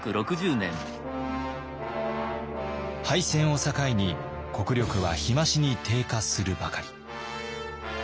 敗戦を境に国力は日増しに低下するばかり。